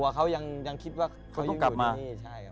ใช่ตัวเขายังคิดว่าเขายุ่งอยู่นี่ใช่ครับเขาต้องกลับมา